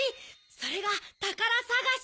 それがたからさがし！